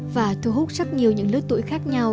và thu hút rất nhiều những lứa tuổi khác nhau